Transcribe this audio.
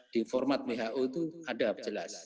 di format who itu ada jelas